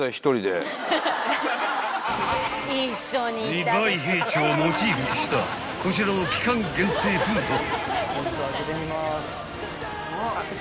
［リヴァイ兵長をモチーフにしたこちらの期間限定フード］